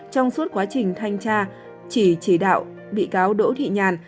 trong suốt quá trình thanh tra chỉ chỉ đạo bị cáo đỗ thị nhàn